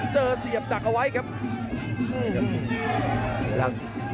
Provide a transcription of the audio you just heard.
เสียบดักเอาไว้ครับ